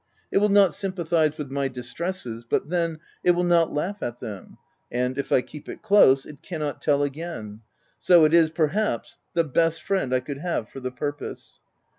It will not sympathize with my distresses, but then, it will not laugh at them, and, if I keep it close, it cannot tell again ; so it is perhaps, the best friend I could have for the purpose.